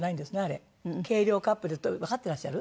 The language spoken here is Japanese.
計量カップでわかってらっしゃる？